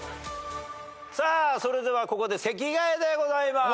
それではここで席替えでございます。